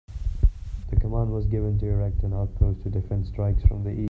The command was given to erect an outpost to defend strikes from the east.